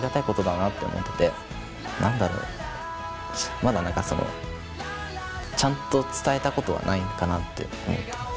まだ何かそのちゃんと伝えたことはないかなって思ってます。